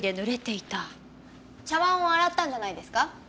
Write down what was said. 茶碗を洗ったんじゃないですか？